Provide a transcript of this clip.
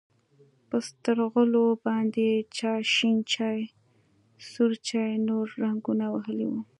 په سترغلو باندې چا شين چا سور چا نور رنګونه وهلي وو.